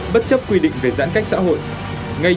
bất chấp quy định về giãn cách xã hội